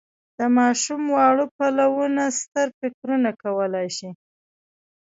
د ماشوم واړه پلونه ستر فکرونه کولای شي.